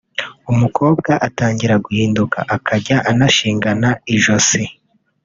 umukobwa atangira guhinduka akajya ananshingana ijosi